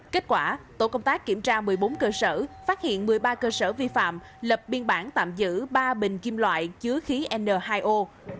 kết quả tổ công tác kiểm tra một mươi bốn cơ sở phát hiện một mươi ba cơ sở vi phạm lập biên bản tạm giữ ba bình kim loại chứa khí n hai o